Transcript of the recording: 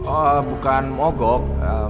oh bukan mogok